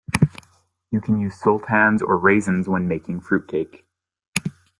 You can use sultanas or raisins when making fruitcake